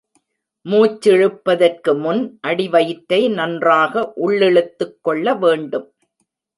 மூச்சிழுப்பதற்கு முன் அடிவயிற்றை நன்றாக உள்ளிழுத்துக் கொள்ள வேண்டும்.